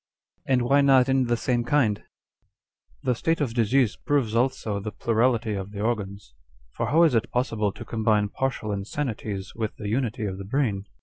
2 And why not in the same kind ?" The state of disease proves also the plurality of the organs. For how is it possible to combine partial insanities with the unity of the brain